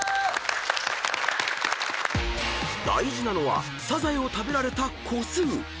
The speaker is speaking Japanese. ［大事なのはサザエを食べられた個数］